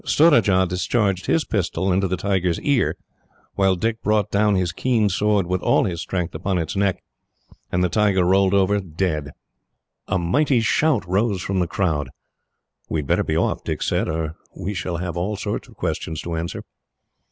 Surajah discharged his pistol into its ear, while Dick brought down his keen sword, with all his strength, upon its neck; and the tiger rolled over, dead. A mighty shout rose from the crowd. "We had better be off," Dick said, "or we shall have all sorts of questions to answer."